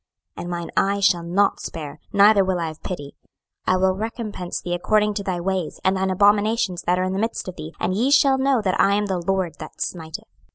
26:007:009 And mine eye shall not spare, neither will I have pity: I will recompense thee according to thy ways and thine abominations that are in the midst of thee; and ye shall know that I am the LORD that smiteth.